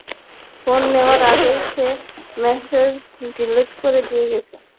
Phone নেওয়ার আগেই, সে মেসেজ ডিলিট করে দিছে।